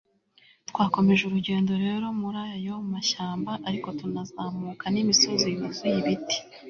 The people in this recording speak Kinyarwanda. twakomeje urugendo rero murayo mashyamba, ariko tunazamuka nimisozi yuzuye ibiti